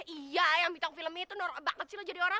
iya yang bintang filmnya itu norob banget sih lo jadi orang